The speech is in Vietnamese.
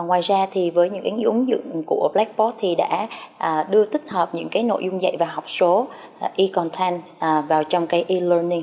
ngoài ra với những ứng dụng của blackboard đã đưa tích hợp những nội dung dạy và học số e content vào trong e learning